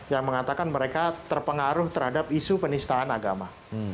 yang mengatakan mereka terpengaruh terhadap isu penistaan agama